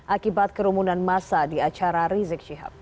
akibat kerumunan massa di acara rizik shihab